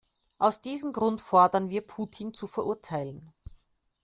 Aus diesem Grund fordern wir, Putin zu verurteilen.